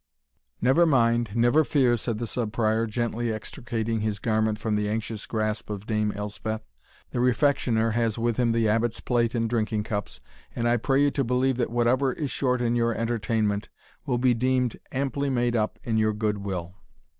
"Never mind never fear," said the Sub Prior, gently extricating his garment from the anxious grasp of Dame Elspeth, "the Refectioner has with him the Abbot's plate and drinking cups; and I pray you to believe that whatever is short in your entertainment will be deemed amply made up in your good will."